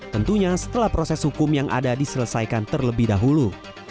tentunya setelah proses hukum yang ada diselesaikan terlebih dahulu